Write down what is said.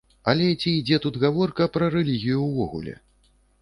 Але ці ідзе тут гаворка пра рэлігію ўвогуле?